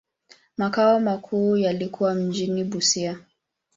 Makao makuu yalikuwa mjini Busia.